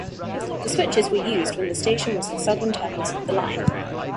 The switches were used when the station was the southern terminus of the line.